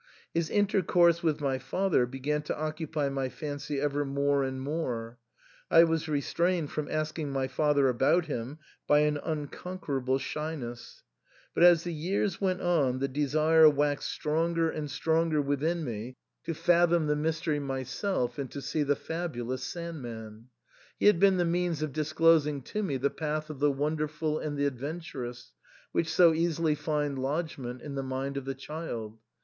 His intercourse with my father began to occupy my fancy ever more and more ; I was restrained from asking my father about him by an unconquerable shyness ; but as the years went on the desire waxed stronger and stronger within me to fathom 172 THE SAND'MAN. the mystery myself and to see the fabulous Sand man. He had been the means of disclosing to me the path of the wonderful and the adventurous, which so easily find lodgment in the mind of the child.